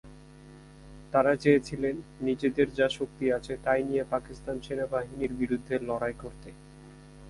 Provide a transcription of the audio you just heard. তারা চেয়েছিলেন নিজেদের যা শক্তি আছে তাই নিয়ে পাকিস্তান সেনাবাহিনীর বিরুদ্ধে লড়াই করতে।